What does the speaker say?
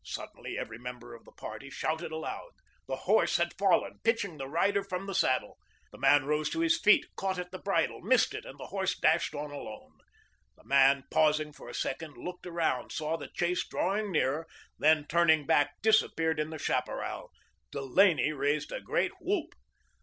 Suddenly, every member of the party shouted aloud. The horse had fallen, pitching the rider from the saddle. The man rose to his feet, caught at the bridle, missed it and the horse dashed on alone. The man, pausing for a second looked around, saw the chase drawing nearer, then, turning back, disappeared in the chaparral. Delaney raised a great whoop.